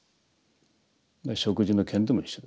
食事の件でも一緒ですね。